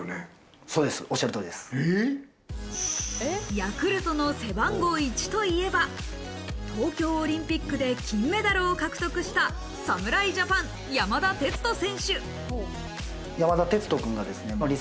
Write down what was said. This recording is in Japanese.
ヤクルトの背番号１といえば、東京オリンピックで金メダルを獲得した侍ジャパン、山田哲人選手。